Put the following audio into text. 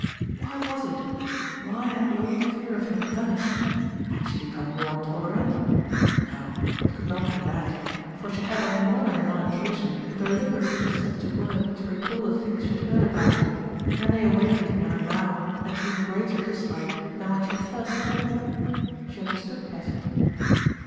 Why was it? Why had the old fear of him vanished? Had she become more tolerant? No, it could not be that; for she had on more than one occasion deliberately set to work to recall the things she had heard about him, and they awakened in her now an even greater dislike ERIC STANNARD PROMISES SUPPORT 129 than when she had first heard them she understood better.